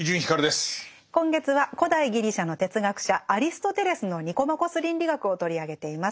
今月は古代ギリシャの哲学者アリストテレスの「ニコマコス倫理学」を取り上げています。